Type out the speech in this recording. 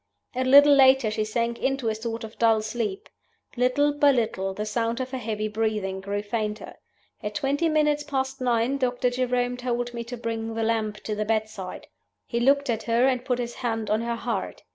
A little later she sank into a sort of dull sleep. Little by little the sound of her heavy breathing grew fainter. At twenty minutes past nine Doctor Jerome told me to bring the lamp to the bedside. He looked at her, and put his hand on her heart.